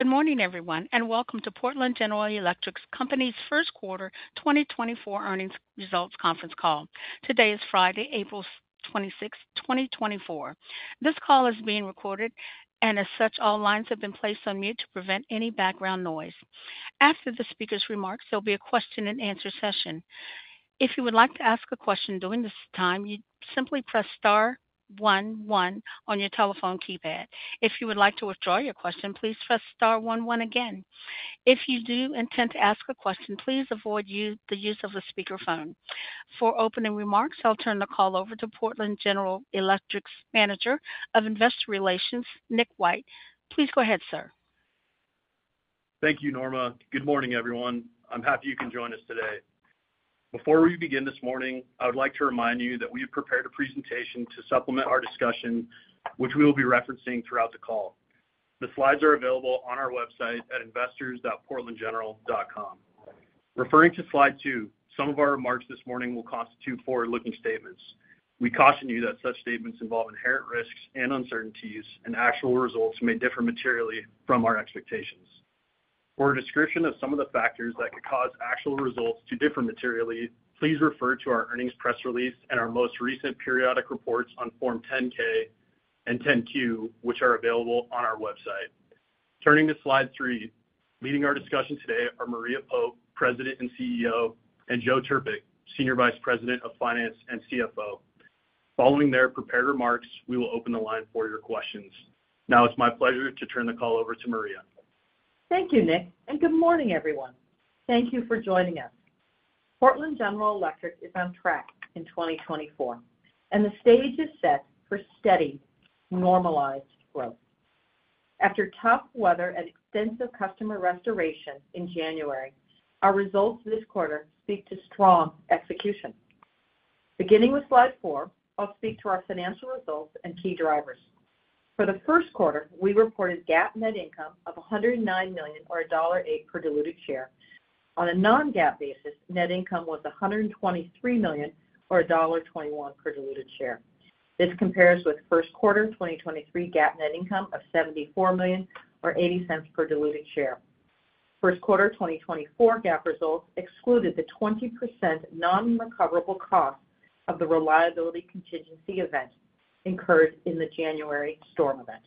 Good morning, everyone, and welcome to Portland General Electric Company's first quarter 2024 earnings results conference call. Today is Friday, April 26, 2024. This call is being recorded, and as such, all lines have been placed on mute to prevent any background noise. After the speaker's remarks, there'll be a question-and-answer session. If you would like to ask a question during this time, you simply press star 11 on your telephone keypad. If you would like to withdraw your question, please press star 11 again. If you do intend to ask a question, please avoid the use of the speakerphone. For opening remarks, I'll turn the call over to Portland General Electric's manager of investor relations, Nick White. Please go ahead, sir. Thank you, Norma. Good morning, everyone. I'm happy you can join us today. Before we begin this morning, I would like to remind you that we have prepared a presentation to supplement our discussion, which we will be referencing throughout the call. The slides are available on our website at investors.portlandgeneral.com. Referring to slide two, some of our remarks this morning will constitute forward-looking statements. We caution you that such statements involve inherent risks and uncertainties, and actual results may differ materially from our expectations. For a description of some of the factors that could cause actual results to differ materially, please refer to our earnings press release and our most recent periodic reports on Form 10-K and 10-Q, which are available on our website. Turning to slide three, leading our discussion today are Maria Pope, President and CEO, and Joe Trpik, Senior Vice President of Finance and CFO. Following their prepared remarks, we will open the line for your questions. Now it's my pleasure to turn the call over to Maria. Thank you, Nick, and good morning, everyone. Thank you for joining us. Portland General Electric is on track in 2024, and the stage is set for steady, normalized growth. After tough weather and extensive customer restoration in January, our results this quarter speak to strong execution. Beginning with slide 4, I'll speak to our financial results and key drivers. For the first quarter, we reported GAAP net income of $109 million or $1.08 per diluted share. On a non-GAAP basis, net income was $123 million or $1.21 per diluted share. This compares with first quarter 2023 GAAP net income of $74 million or $0.80 per diluted share. First quarter 2024 GAAP results excluded the 20% non-recoverable cost of the reliability contingency event incurred in the January storm event.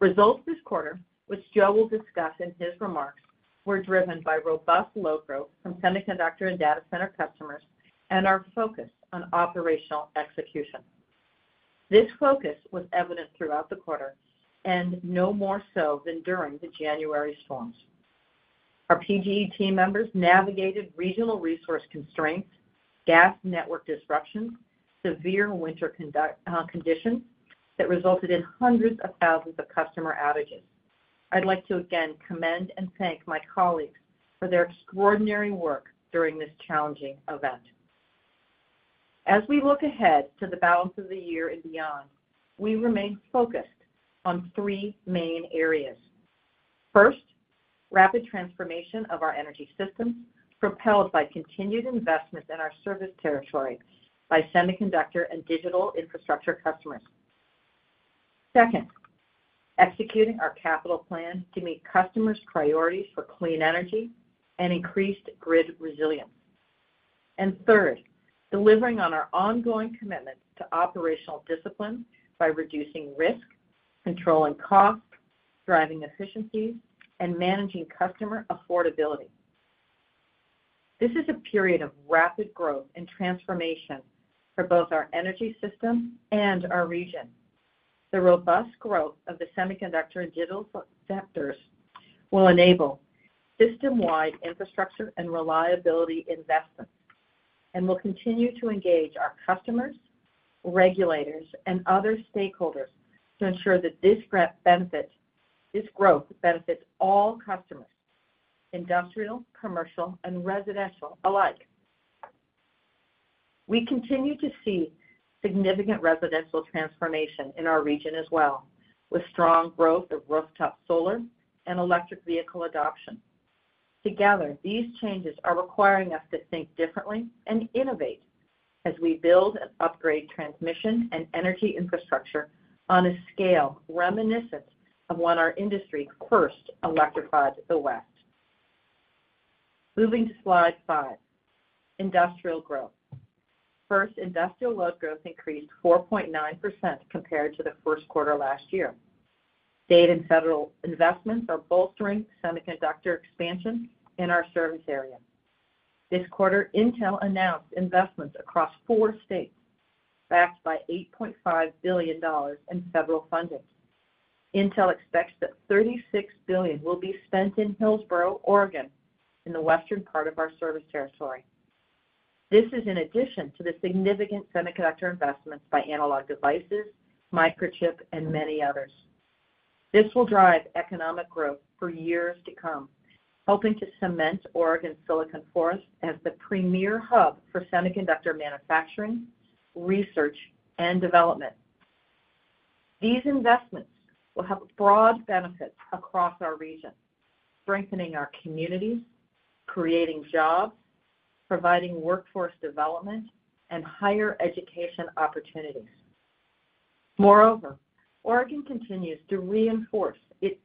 Results this quarter, which Joe will discuss in his remarks, were driven by robust load growth from semiconductor and data center customers and our focus on operational execution. This focus was evident throughout the quarter, and no more so than during the January storms. Our PGE team members navigated regional resource constraints, gas network disruptions, severe winter conditions that resulted in hundreds of thousands of customer outages. I'd like to again commend and thank my colleagues for their extraordinary work during this challenging event. As we look ahead to the balance of the year and beyond, we remain focused on three main areas. First, rapid transformation of our energy systems propelled by continued investments in our service territory by semiconductor and digital infrastructure customers. Second, executing our Capital Plan to meet customers' priorities for clean energy and increased grid resilience. And third, delivering on our ongoing commitments to operational discipline by reducing risk, controlling costs, driving efficiencies, and managing customer affordability. This is a period of rapid growth and transformation for both our energy system and our region. The robust growth of the semiconductor and digital sectors will enable system-wide infrastructure and reliability investments and will continue to engage our customers, regulators, and other stakeholders to ensure that this growth benefits all customers, industrial, commercial, and residential alike. We continue to see significant residential transformation in our region as well, with strong growth of rooftop solar and electric vehicle adoption. Together, these changes are requiring us to think differently and innovate as we build and upgrade transmission and energy infrastructure on a scale reminiscent of when our industry first electrified the West. Moving to slide five, industrial growth. First, industrial load growth increased 4.9% compared to the first quarter last year. State and federal investments are bolstering semiconductor expansion in our service area. This quarter, Intel announced investments across four states backed by $8.5 billion in federal funding. Intel expects that $36 billion will be spent in Hillsboro, Oregon, in the western part of our service territory. This is in addition to the significant semiconductor investments by Analog Devices, Microchip, and many others. This will drive economic growth for years to come, helping to cement Oregon's Silicon Forest as the premier hub for semiconductor manufacturing, research, and development. These investments will have broad benefits across our region, strengthening our communities, creating jobs, providing workforce development, and higher education opportunities. Moreover, Oregon continues to reinforce its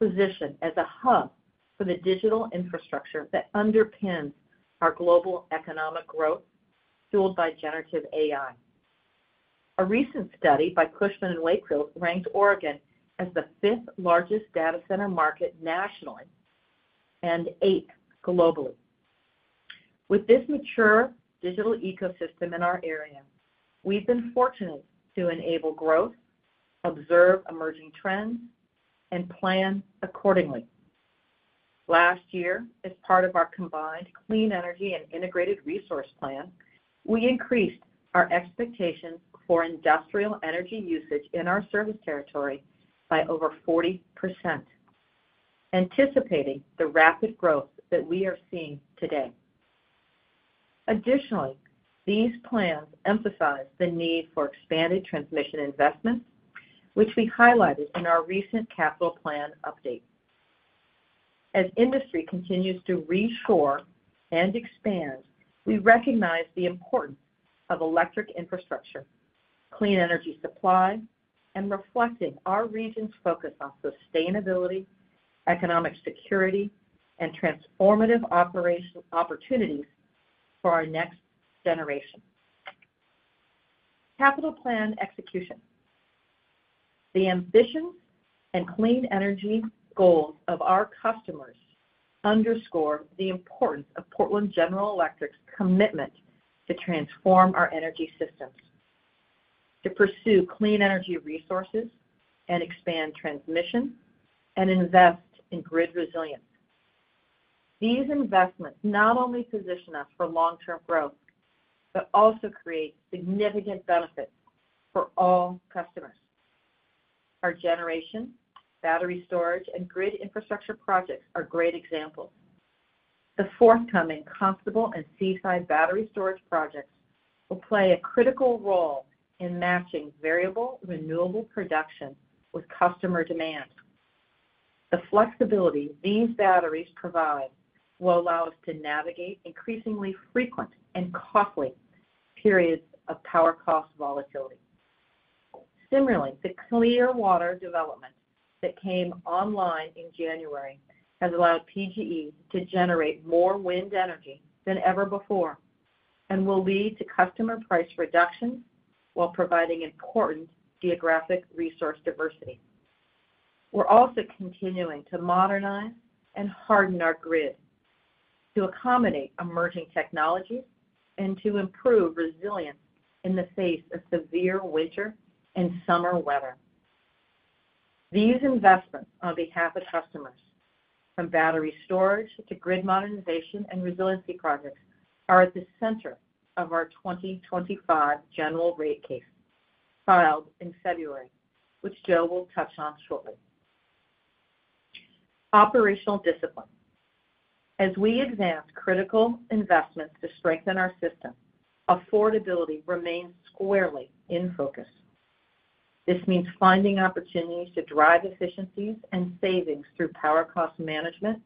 position as a hub for the digital infrastructure that underpins our global economic growth fueled by generative AI. A recent study by Cushman & Wakefield ranked Oregon as the fifth largest data center market nationally and eighth globally. With this mature digital ecosystem in our area, we've been fortunate to enable growth, observe emerging trends, and plan accordingly. Last year, as part of our combined clean energy and integrated resource plan, we increased our expectations for industrial energy usage in our service territory by over 40%, anticipating the rapid growth that we are seeing today. Additionally, these plans emphasize the need for expanded transmission investments, which we highlighted in our recent capital plan update. As industry continues to reshore and expand, we recognize the importance of electric infrastructure, clean energy supply, and reflecting our region's focus on sustainability, economic security, and transformative opportunities for our next generation. Capital plan execution. The ambitions and clean energy goals of our customers underscore the importance of Portland General Electric's commitment to transform our energy systems, to pursue clean energy resources and expand transmission, and invest in grid resilience. These investments not only position us for long-term growth but also create significant benefits for all customers. Our generation, battery storage, and grid infrastructure projects are great examples. The forthcoming Constable and Seaside battery storage projects will play a critical role in matching variable renewable production with customer demand. The flexibility these batteries provide will allow us to navigate increasingly frequent and costly periods of power cost volatility. Similarly, the Clearwater development that came online in January has allowed PGE to generate more wind energy than ever before and will lead to customer price reductions while providing important geographic resource diversity. We're also continuing to modernize and harden our grid to accommodate emerging technologies and to improve resilience in the face of severe winter and summer weather. These investments on behalf of customers, from battery storage to grid modernization and resiliency projects, are at the center of our 2025 General Rate Case filed in February, which Joe will touch on shortly. Operational discipline. As we examine critical investments to strengthen our system, affordability remains squarely in focus. This means finding opportunities to drive efficiencies and savings through power cost management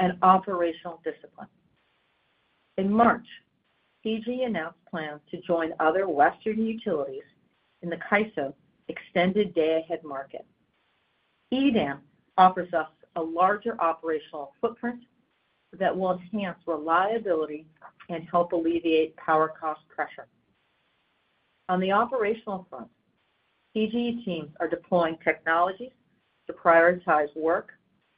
and operational discipline. In March, PGE announced plans to join other western utilities in the CAISO Extended Day-Ahead Market. EDAM offers us a larger operational footprint that will enhance reliability and help alleviate power cost pressure. On the operational front, PGE teams are deploying technologies to prioritize work,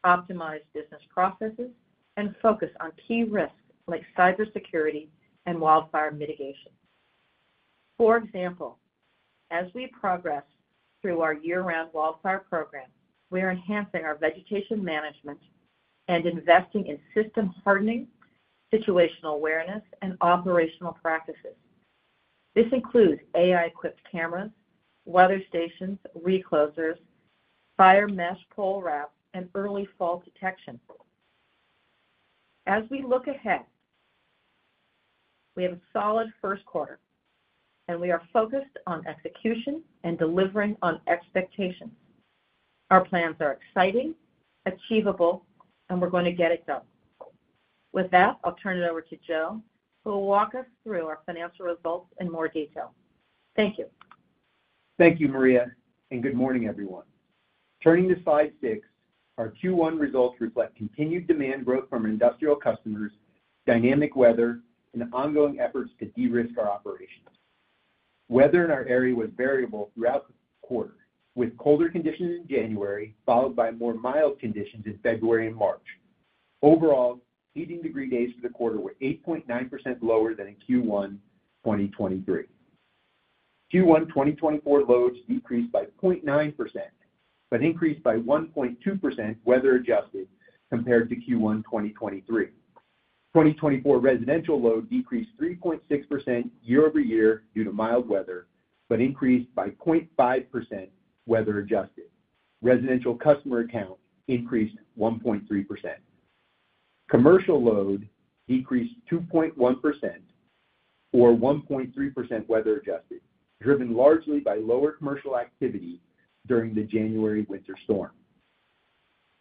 optimize business processes, and focus on key risks like cybersecurity and wildfire mitigation. For example, as we progress through our year-round wildfire program, we are enhancing our vegetation management and investing in system hardening, situational awareness, and operational practices. This includes AI-equipped cameras, weather stations, reclosers, fire mesh pole wraps, and early fall detection. As we look ahead, we have a solid first quarter, and we are focused on execution and delivering on expectations. Our plans are exciting, achievable, and we're going to get it done. With that, I'll turn it over to Joe, who will walk us through our financial results in more detail. Thank you. Thank you, Maria, and good morning, everyone. Turning to slide 6, our Q1 results reflect continued demand growth from industrial customers, dynamic weather, and ongoing efforts to de-risk our operations. Weather in our area was variable throughout the quarter, with colder conditions in January followed by more mild conditions in February and March. Overall, 18-degree days for the quarter were 8.9% lower than in Q1 2023. Q1 2024 loads decreased by 0.9% but increased by 1.2% weather-adjusted compared to Q1 2023. 2024 residential load decreased 3.6% year-over-year due to mild weather but increased by 0.5% weather-adjusted. Residential customer count increased 1.3%. Commercial load decreased 2.1% or 1.3% weather-adjusted, driven largely by lower commercial activity during the January winter storm.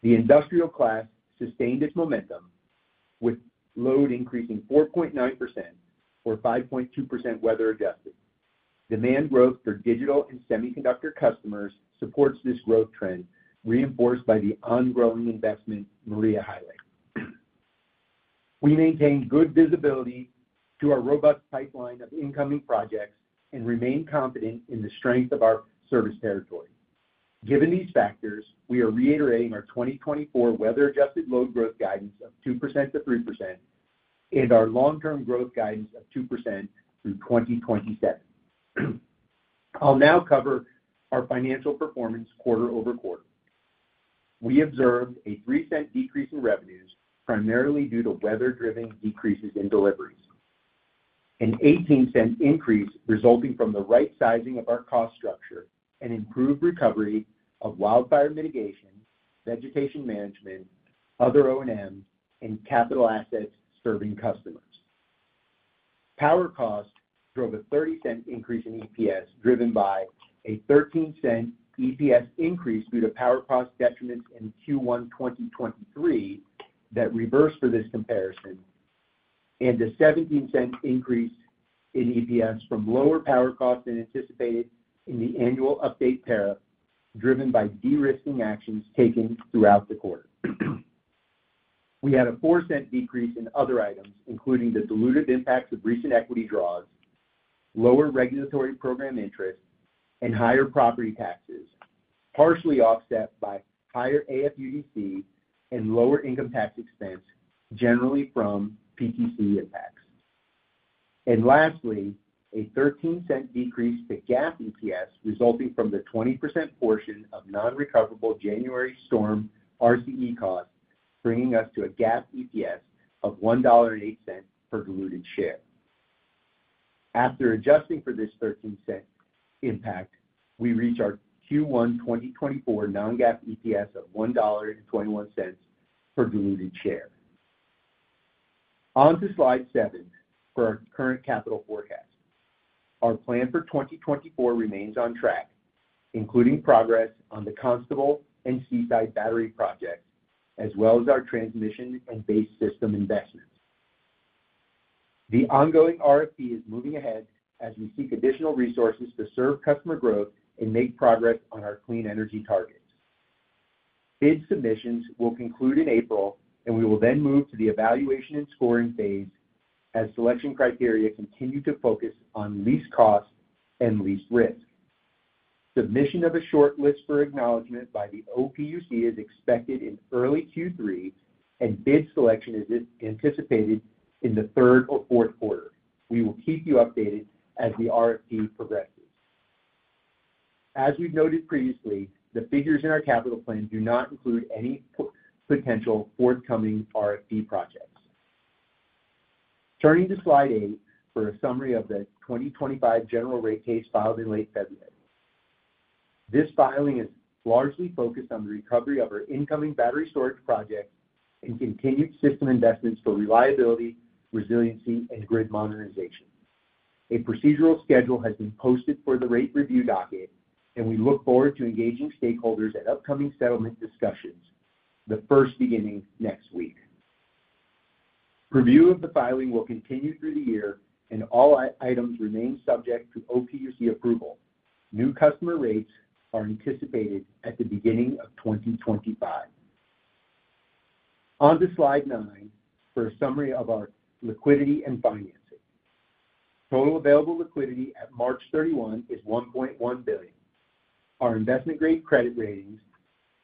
The industrial class sustained its momentum, with load increasing 4.9% or 5.2% weather-adjusted. Demand growth for digital and semiconductor customers supports this growth trend, reinforced by the ongoing investment Maria highlighted. We maintain good visibility to our robust pipeline of incoming projects and remain confident in the strength of our service territory. Given these factors, we are reiterating our 2024 weather-adjusted load growth guidance of 2%-3% and our long-term growth guidance of 2% through 2027. I'll now cover our financial performance quarter-over-quarter. We observed a $0.03 decrease in revenues, primarily due to weather-driven decreases in deliveries, an $0.18 increase resulting from the right-sizing of our cost structure, and improved recovery of wildfire mitigation, vegetation management, other O&M, and capital assets serving customers. Power cost drove a 30-cent increase in EPS, driven by a 13-cent EPS increase due to power cost detriments in Q1 2023 that reversed for this comparison, and a 17-cent increase in EPS from lower power cost than anticipated in the annual update tariff, driven by de-risking actions taken throughout the quarter. We had a 4-cent decrease in other items, including the diluted impacts of recent equity draws, lower regulatory program interest, and higher property taxes, partially offset by higher AFUDC and lower income tax expense generally from PTC impacts. And lastly, a 13-cent decrease to GAAP EPS, resulting from the 20% portion of non-recoverable January storm RCE costs, bringing us to a GAAP EPS of $1.08 per diluted share. After adjusting for this 13-cent impact, we reach our Q1 2024 non-GAAP EPS of $1.21 per diluted share. On to slide seven for our current capital forecast. Our plan for 2024 remains on track, including progress on the Constable and Seaside battery projects as well as our transmission and base system investments. The ongoing RFP is moving ahead as we seek additional resources to serve customer growth and make progress on our clean energy targets. Bid submissions will conclude in April, and we will then move to the evaluation and scoring phase as selection criteria continue to focus on least cost and least risk. Submission of a short list for acknowledgment by the OPUC is expected in early Q3, and bid selection is anticipated in the third or fourth quarter. We will keep you updated as the RFP progresses. As we've noted previously, the figures in our capital plan do not include any potential forthcoming RFP projects. Turning to slide eight for a summary of the 2025 general rate case filed in late February. This filing is largely focused on the recovery of our incoming battery storage projects and continued system investments for reliability, resiliency, and grid modernization. A procedural schedule has been posted for the rate review docket, and we look forward to engaging stakeholders at upcoming settlement discussions, the first beginning next week. Review of the filing will continue through the year, and all items remain subject to OPUC approval. New customer rates are anticipated at the beginning of 2025. On to slide 9 for a summary of our liquidity and financing. Total available liquidity at March 31 is $1.1 billion. Our investment-grade credit ratings,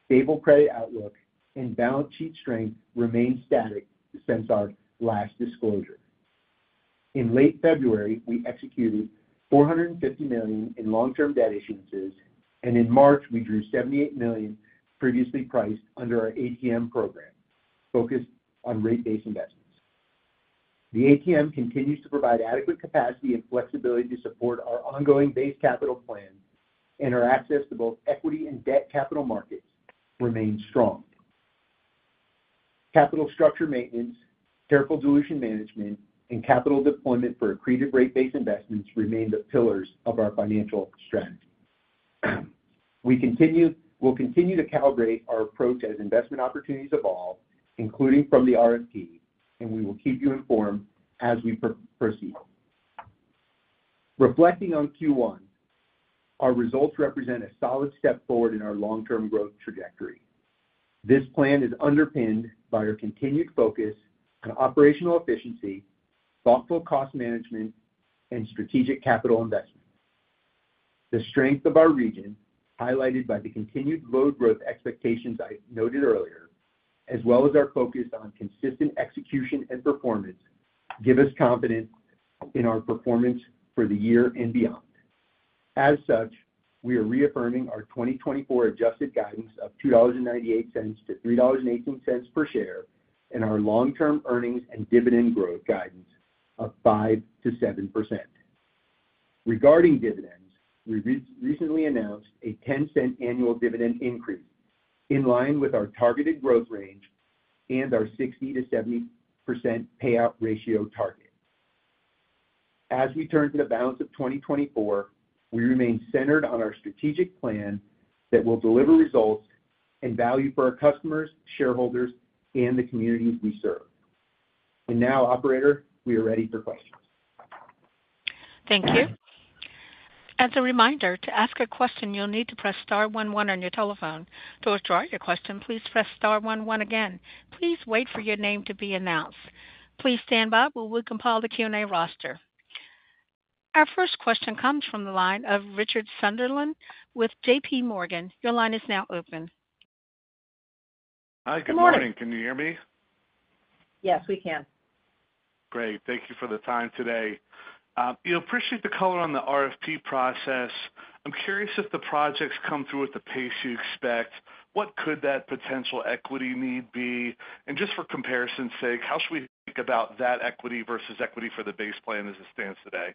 stable credit outlook, and balance sheet strength remain static since our last disclosure. In late February, we executed $450 million in long-term debt issuances, and in March, we drew $78 million previously priced under our ATM program focused on rate-based investments. The ATM continues to provide adequate capacity and flexibility to support our ongoing base capital plan, and our access to both equity and debt capital markets remains strong. Capital structure maintenance, careful dilution management, and capital deployment for accretive rate-based investments remain the pillars of our financial strategy. We will continue to calibrate our approach as investment opportunities evolve, including from the RFP, and we will keep you informed as we proceed. Reflecting on Q1, our results represent a solid step forward in our long-term growth trajectory. This plan is underpinned by our continued focus on operational efficiency, thoughtful cost management, and strategic capital investment. The strength of our region, highlighted by the continued load growth expectations I noted earlier, as well as our focus on consistent execution and performance, gives us confidence in our performance for the year and beyond. As such, we are reaffirming our 2024 adjusted guidance of $2.98-$3.18 per share and our long-term earnings and dividend growth guidance of 5%-7%. Regarding dividends, we recently announced a $0.10 annual dividend increase in line with our targeted growth range and our 60%-70% payout ratio target. As we turn to the balance of 2024, we remain centered on our strategic plan that will deliver results and value for our customers, shareholders, and the communities we serve. And now, operator, we are ready for questions. Thank you. As a reminder, to ask a question, you'll need to press star 11 on your telephone. To withdraw your question, please press star 11 again. Please wait for your name to be announced. Please stand by while we compile the Q&A roster. Our first question comes from the line of Richard Sunderland with J.P. Morgan. Your line is now open. Hi. Good morning. Can you hear me? Yes, we can. Great. Thank you for the time today. I appreciate the color on the RFP process. I'm curious if the projects come through at the pace you expect. What could that potential equity need be? Just for comparison's sake, how should we think about that equity versus equity for the base plan as it stands today?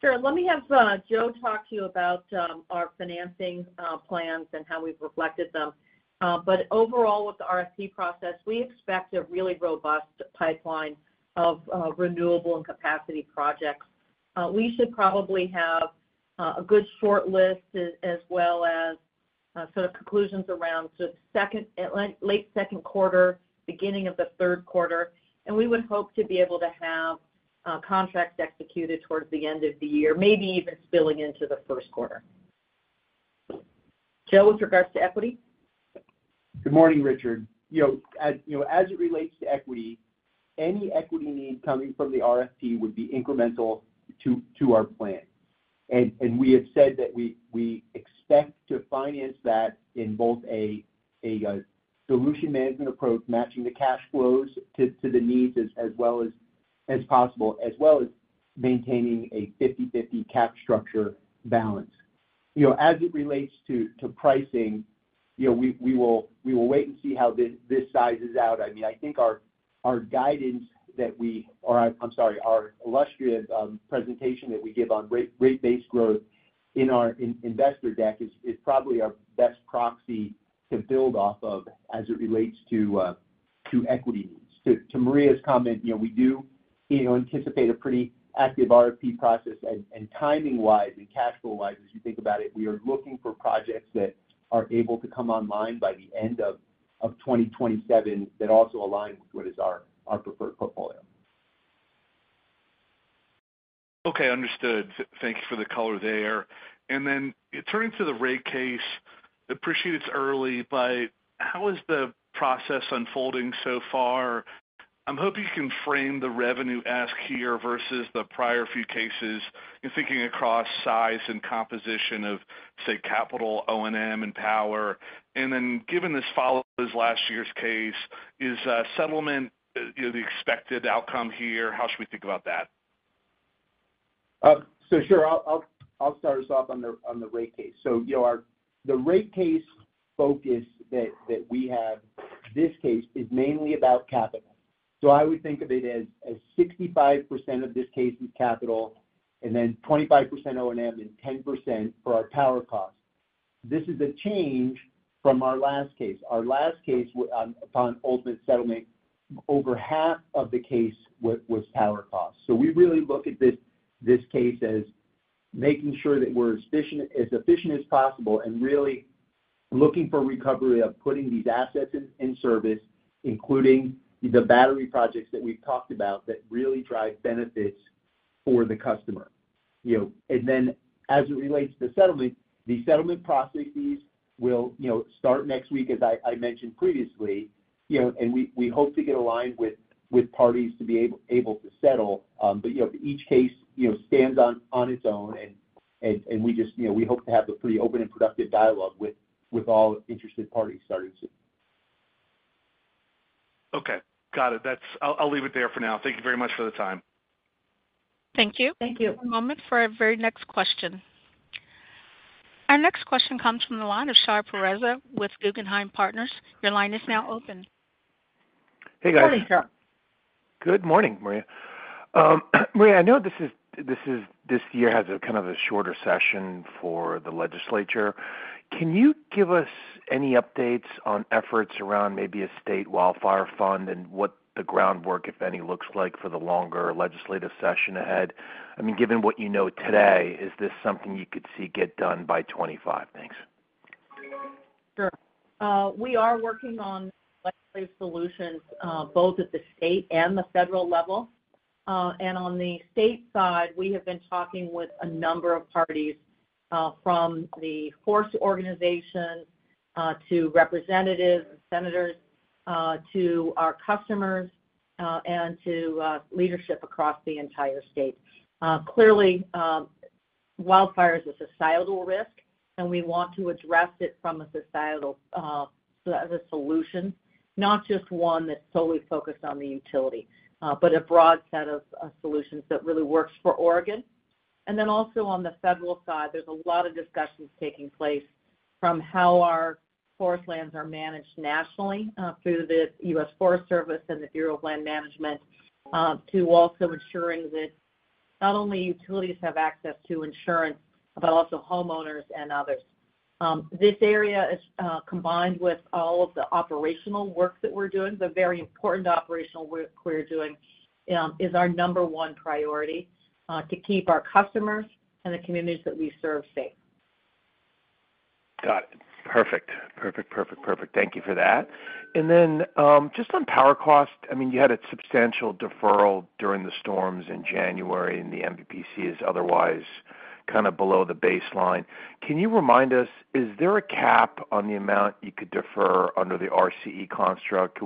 Sure. Let me have Joe talk to you about our financing plans and how we've reflected them. But overall, with the RFP process, we expect a really robust pipeline of renewable and capacity projects. We should probably have a good short list as well as sort of conclusions around sort of late second quarter, beginning of the third quarter. And we would hope to be able to have contracts executed towards the end of the year, maybe even spilling into the first quarter. Joe, with regards to equity? Good morning, Richard. As it relates to equity, any equity need coming from the RFP would be incremental to our plan. We have said that we expect to finance that in both a dilution management approach matching the cash flows to the needs as well as possible, as well as maintaining a 50/50 cap structure balance. As it relates to pricing, we will wait and see how this sizes out. I mean, I think our guidance that we or I'm sorry, our illustrious presentation that we give on rate-based growth in our investor deck is probably our best proxy to build off of as it relates to equity needs. To Maria's comment, we do anticipate a pretty active RFP process. Timing-wise and cash flow-wise, as you think about it, we are looking for projects that are able to come online by the end of 2027 that also align with what is our preferred portfolio. Okay. Understood. Thank you for the color there. And then turning to the rate case, I appreciate it's early, but how is the process unfolding so far? I'm hoping you can frame the revenue ask here versus the prior few cases, thinking across size and composition of, say, capital, O&M, and power. And then given this follows last year's case, is settlement the expected outcome here? How should we think about that? Sure. I'll start us off on the rate case. The rate case focus that we have, this case, is mainly about capital. I would think of it as 65% of this case is capital and then 25% O&M and 10% for our power cost. This is a change from our last case. Our last case, upon ultimate settlement, over half of the case was power cost. We really look at this case as making sure that we're as efficient as possible and really looking for recovery of putting these assets in service, including the battery projects that we've talked about that really drive benefits for the customer. And then as it relates to the settlement, the settlement processes will start next week, as I mentioned previously. And we hope to get aligned with parties to be able to settle. But each case stands on its own, and we hope to have a pretty open and productive dialogue with all interested parties starting soon. Okay. Got it. I'll leave it there for now. Thank you very much for the time. Thank you. Thank you. One moment for our very next question. Our next question comes from the line of Shahriar Pourreza with Guggenheim Partners. Your line is now open. Hey, guys. Morning, Shar. Good morning, Maria. Maria, I know this year has kind of a shorter session for the legislature. Can you give us any updates on efforts around maybe a state wildfire fund and what the groundwork, if any, looks like for the longer legislative session ahead? I mean, given what you know today, is this something you could see get done by 2025? Thanks. Sure. We are working on legislative solutions both at the state and the federal level. And on the state side, we have been talking with a number of parties from the forest organizations to representatives and senators to our customers and to leadership across the entire state. Clearly, wildfire is a societal risk, and we want to address it from a societal solution, not just one that's solely focused on the utility, but a broad set of solutions that really works for Oregon. And then also on the federal side, there's a lot of discussions taking place from how our forest lands are managed nationally through the U.S. Forest Service and the Bureau of Land Management to also ensuring that not only utilities have access to insurance, but also homeowners and others. This area, combined with all of the operational work that we're doing, the very important operational work we're doing, is our number one priority to keep our customers and the communities that we serve safe. Got it. Perfect. Perfect, perfect, perfect. Thank you for that. And then just on power cost, I mean, you had a substantial deferral during the storms in January, and the NVPC is otherwise kind of below the baseline. Can you remind us, is there a cap on the amount you could defer under the RCE construct?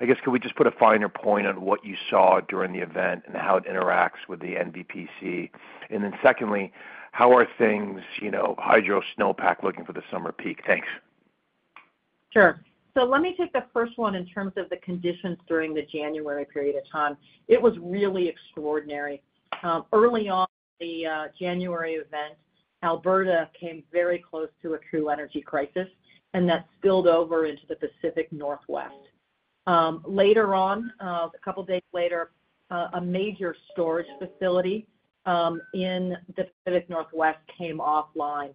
I guess, could we just put a finer point on what you saw during the event and how it interacts with the NVPC? And then secondly, how are things hydro snowpack looking for the summer peak? Thanks. Sure. So let me take the first one in terms of the conditions during the January period of time. It was really extraordinary. Early on, the January event, Alberta came very close to a true energy crisis, and that spilled over into the Pacific Northwest. Later on, a couple of days later, a major storage facility in the Pacific Northwest came offline.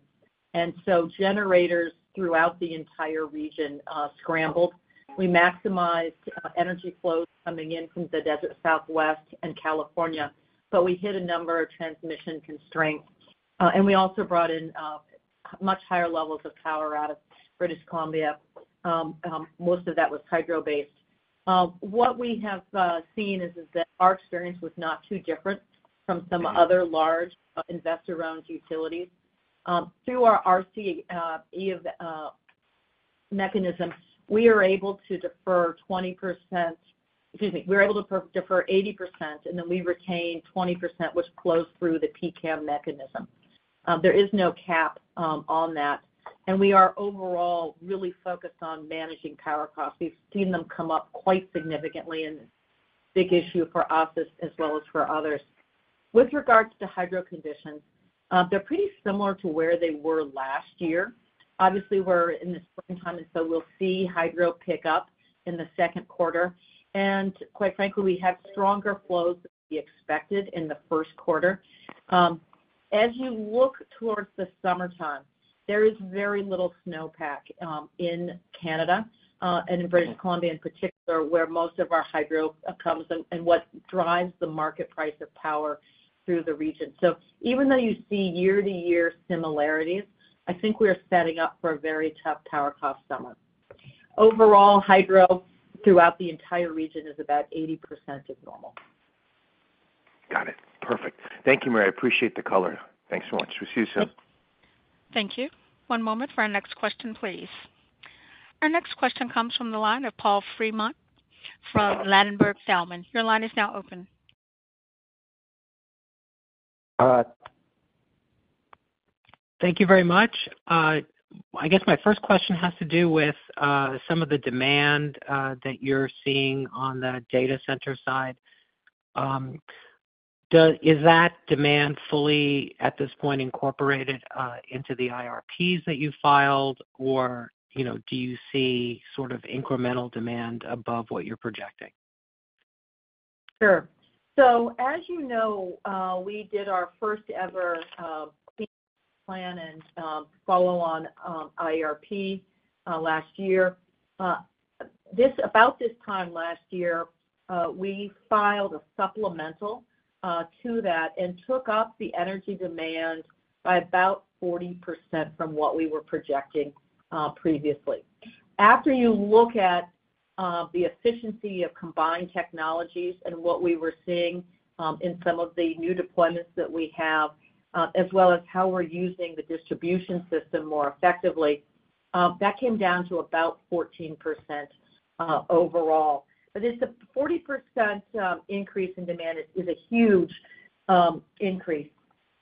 And so generators throughout the entire region scrambled. We maximized energy flows coming in from the Desert Southwest and California, but we hit a number of transmission constraints. And we also brought in much higher levels of power out of British Columbia. Most of that was hydro-based. What we have seen is that our experience was not too different from some other large investor-owned utilities. Through our RCE mechanism, we are able to defer 20%. Excuse me. We're able to defer 80%, and then we retain 20%, which flows through the PCAM mechanism. There is no cap on that. We are overall really focused on managing power costs. We've seen them come up quite significantly, and it's a big issue for us as well as for others. With regards to hydro conditions, they're pretty similar to where they were last year. Obviously, we're in the springtime, and so we'll see hydro pick up in the second quarter. Quite frankly, we have stronger flows than we expected in the first quarter. As you look towards the summertime, there is very little snowpack in Canada and in British Columbia in particular, where most of our hydro comes and what drives the market price of power through the region. So even though you see year-to-year similarities, I think we are setting up for a very tough power cost summer. Overall, hydro throughout the entire region is about 80% of normal. Got it. Perfect. Thank you, Maria. I appreciate the color. Thanks so much. We'll see you soon. Thank you. One moment for our next question, please. Our next question comes from the line of Paul Fremont from Ladenburg Thalmann. Your line is now open. Thank you very much. I guess my first question has to do with some of the demand that you're seeing on the data center side. Is that demand fully, at this point, incorporated into the IRPs that you filed, or do you see sort of incremental demand above what you're projecting? Sure. So as you know, we did our first-ever plan and follow-on IRP last year. About this time last year, we filed a supplemental to that and took up the energy demand by about 40% from what we were projecting previously. After you look at the efficiency of combined technologies and what we were seeing in some of the new deployments that we have, as well as how we're using the distribution system more effectively, that came down to about 14% overall. But this 40% increase in demand is a huge increase,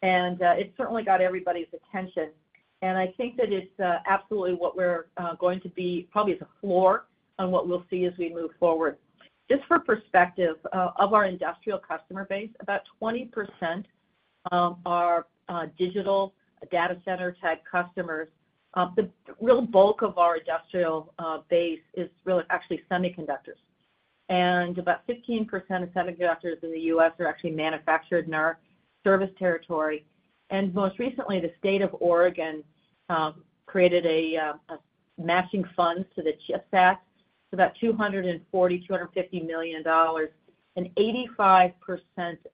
and it certainly got everybody's attention. And I think that it's absolutely what we're going to be probably as a floor on what we'll see as we move forward. Just for perspective of our industrial customer base, about 20% are digital data center-type customers. The real bulk of our industrial base is really actually semiconductors. About 15% of semiconductors in the U.S. are actually manufactured in our service territory. Most recently, the state of Oregon created a matching fund to the CHIPS Act. It's about $240 million-$250 million. 85%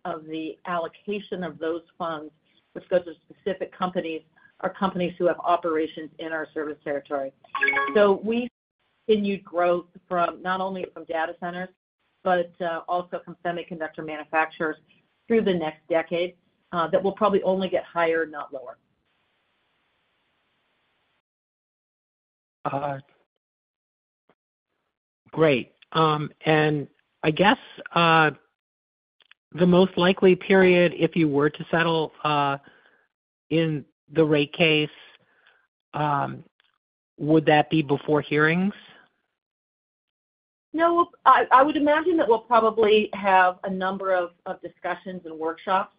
of the allocation of those funds, which goes to specific companies, are companies who have operations in our service territory. We see continued growth not only from data centers but also from semiconductor manufacturers through the next decade that will probably only get higher, not lower. Great. I guess the most likely period, if you were to settle in the rate case, would that be before hearings? No, I would imagine that we'll probably have a number of discussions and workshops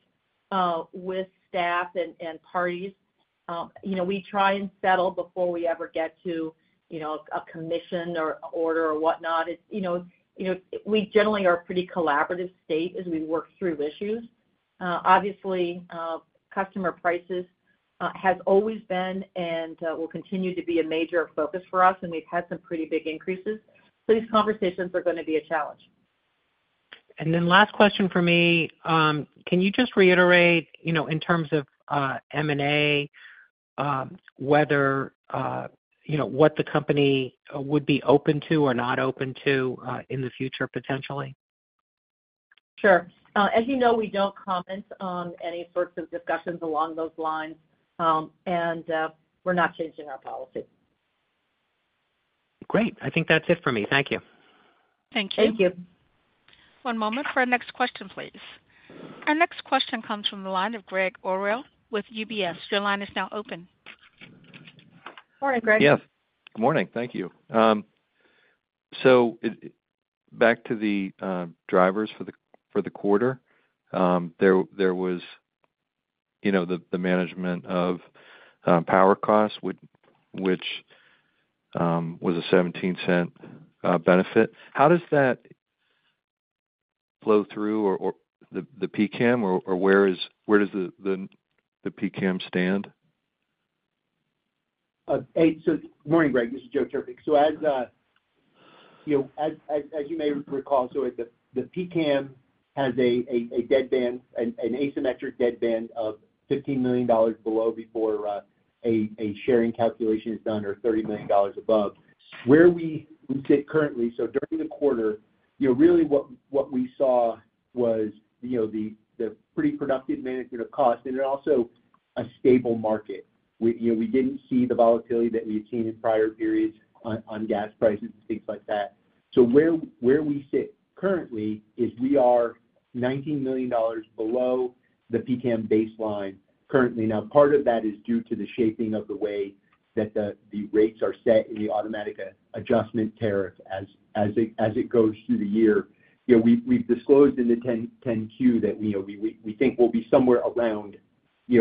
with staff and parties. We try and settle before we ever get to a commission or an order or whatnot. We generally are a pretty collaborative state as we work through issues. Obviously, customer prices have always been and will continue to be a major focus for us, and we've had some pretty big increases. So these conversations are going to be a challenge. And then last question for me. Can you just reiterate, in terms of M&A, what the company would be open to or not open to in the future, potentially? Sure. As you know, we don't comment on any sorts of discussions along those lines, and we're not changing our policy. Great. I think that's it for me. Thank you. Thank you. Thank you. One moment for our next question, please. Our next question comes from the line of Greg Orrill with UBS. Your line is now open. Morning, Greg. Yes. Good morning. Thank you. So back to the drivers for the quarter, there was the management of power costs, which was a $0.17 benefit. How does that flow through, the PCAM, or where does the PCAM stand? So, morning, Greg. This is Joe Trpik. So as you may recall, the PCAM has an asymmetric dead band of $15 million below before a sharing calculation is done or $30 million above. Where we sit currently, so during the quarter, really what we saw was the pretty productive management of costs and then also a stable market. We didn't see the volatility that we had seen in prior periods on gas prices and things like that. So where we sit currently is we are $19 million below the PCAM baseline currently. Now, part of that is due to the shaping of the way that the rates are set in the automatic adjustment tariff as it goes through the year. We've disclosed in the 10-Q that we think we'll be somewhere around the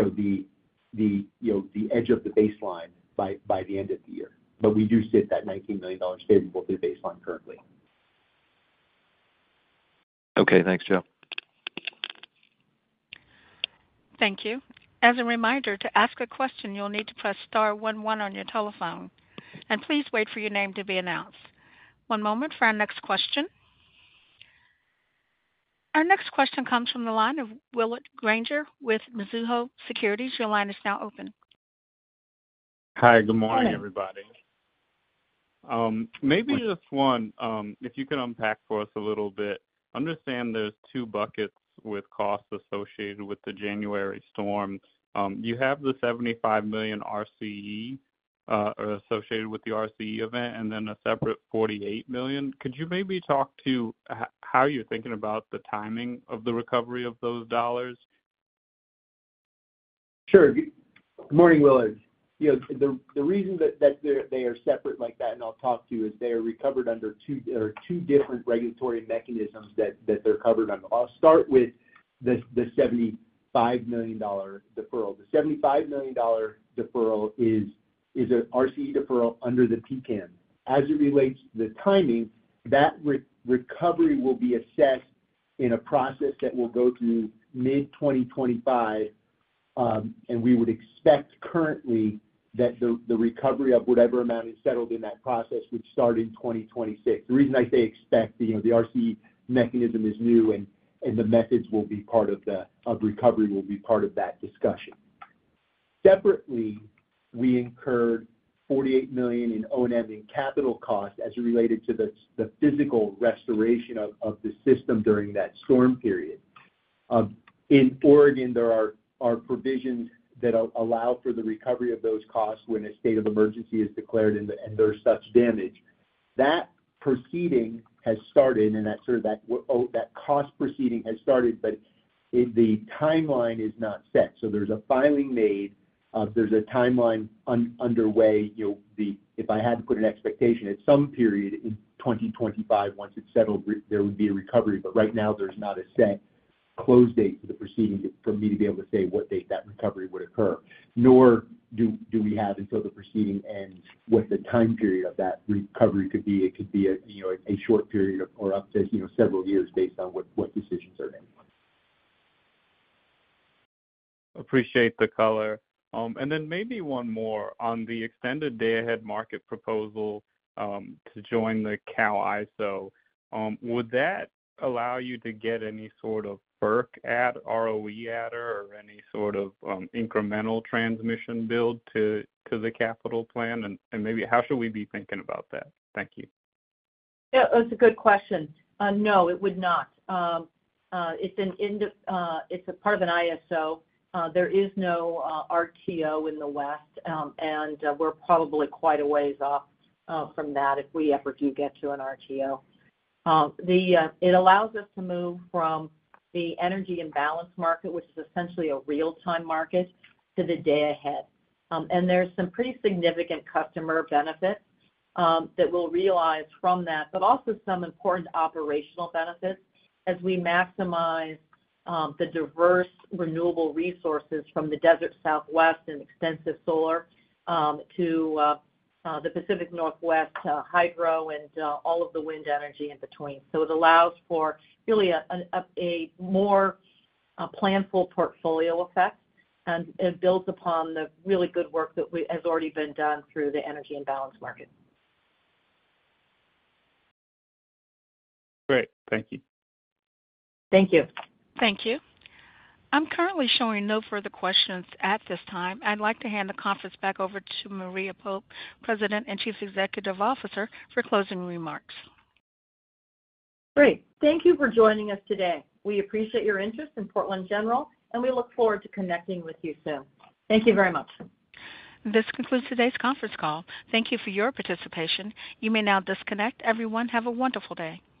edge of the baseline by the end of the year. But we do sit that $19 million stable below the baseline currently. Okay. Thanks, Joe. Thank you. As a reminder, to ask a question, you'll need to press star 11 on your telephone. And please wait for your name to be announced. One moment for our next question. Our next question comes from the line of Willard Granger with Mizuho Securities. Your line is now open. Hi. Good morning, everybody. Maybe just one, if you could unpack for us a little bit. I understand there's two buckets with costs associated with the January storm. You have the $75 million RCE associated with the RCE event and then a separate $48 million. Could you maybe talk to how you're thinking about the timing of the recovery of those dollars? Sure. Good morning, Willard. The reason that they are separate like that and I'll talk to is they are recovered under two different regulatory mechanisms that they're covered under. I'll start with the $75 million deferral. The $75 million deferral is an RCE deferral under the PCAM. As it relates to the timing, that recovery will be assessed in a process that will go through mid-2025, and we would expect currently that the recovery of whatever amount is settled in that process would start in 2026. The reason I say expect, the RCE mechanism is new, and the methods will be part of the recovery will be part of that discussion. Separately, we incurred $48 million in O&M and capital costs as it related to the physical restoration of the system during that storm period. In Oregon, there are provisions that allow for the recovery of those costs when a state of emergency is declared and there's such damage. That proceeding has started, and that cost proceeding has started, but the timeline is not set. There's a filing made. There's a timeline underway. If I had to put an expectation, at some period in 2025, once it's settled, there would be a recovery. Right now, there's not a set close date for the proceeding for me to be able to say what date that recovery would occur. Nor do we have, until the proceeding ends, what the time period of that recovery could be. It could be a short period or up to several years based on what decisions are made. Appreciate the color. And then maybe one more. On the extended day-ahead market proposal to join the CAISO, would that allow you to get any sort of FERC add, ROE adder, or any sort of incremental transmission build to the Capital Plan? And maybe how should we be thinking about that? Thank you. Yeah. That's a good question. No, it would not. It's a part of an ISO. There is no RTO in the West, and we're probably quite a ways off from that if we ever do get to an RTO. It allows us to move from the Energy Imbalance Market, which is essentially a real-time market, to the day-ahead. And there's some pretty significant customer benefits that we'll realize from that, but also some important operational benefits as we maximize the diverse renewable resources from the Desert Southwest and extensive solar to the Pacific Northwest hydro and all of the wind energy in between. So it allows for really a more planful portfolio effect, and it builds upon the really good work that has already been done through the Energy Imbalance Market. Great. Thank you. Thank you. Thank you. I'm currently showing no further questions at this time. I'd like to hand the conference back over to Maria Pope, President and Chief Executive Officer, for closing remarks. Great. Thank you for joining us today. We appreciate your interest in Portland General, and we look forward to connecting with you soon. Thank you very much. This concludes today's conference call. Thank you for your participation. You may now disconnect. Everyone, have a wonderful day.